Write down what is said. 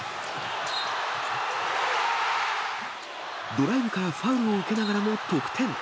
ドライブからファウルを受けながらも得点。